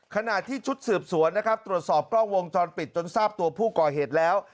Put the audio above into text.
ขณะที่ชุดสืบสวนนะครับตรวจสอบกล้องวงจรปิดจนทราบตัวผู้ก่อเหตุแล้ว